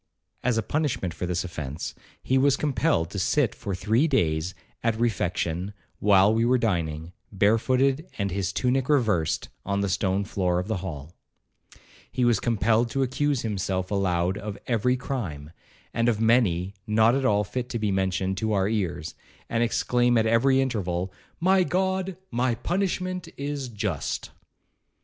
As a punishment for this offence, he was compelled to sit for three days at refection, while we were dining, barefooted and his tunic reversed, on the stone floor of the hall. He was compelled to accuse himself aloud of every crime, and of many not at all fit to be mentioned to our ears, and exclaim at every interval, 'My God, my punishment is just.'